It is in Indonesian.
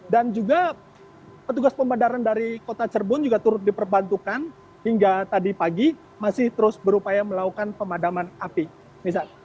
dan juga petugas pemadam dari kota cirebon juga turut diperbantukan hingga tadi pagi masih terus berupaya melakukan pemadaman api